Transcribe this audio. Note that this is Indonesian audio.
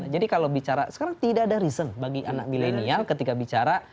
jadi kalau bicara sekarang tidak ada reason bagi anak milenial ketika bicara